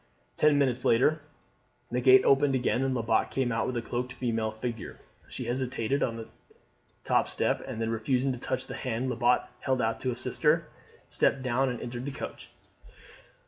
Ten minutes later the gate opened again and Lebat came out with a cloaked female figure. She hesitated on the top step, and then refusing to touch the hand Lebat held out to assist her, stepped down and entered the coach.